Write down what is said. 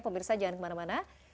pemirsa jangan kemana mana